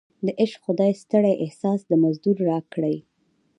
د عشق خدای ستړی احساس د مزدور راکړی